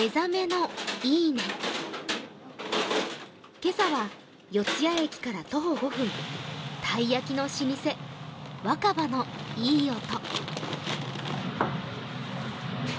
今朝は四ツ谷駅から徒歩５分、たい焼きの老舗、わかばのいい音。